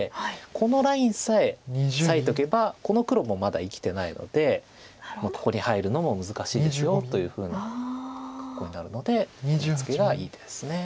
このラインさえ裂いとけばこの黒もまだ生きてないので「ここに入るのも難しいですよ」というふうな格好になるのでこのツケがいい手です。